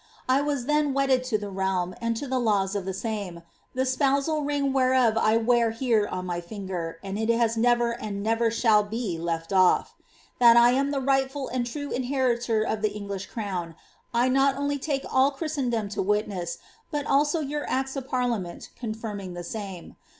I was then wedded to tlie realm, and to the laws of tlie same, the spousal ring whereof I wear here on my finger, and it never has and never shall be left olf. That I am the rightful and true inheritor of the English crown, I uot only take all Christendom to witness, but also your acts of parliament con finning the same.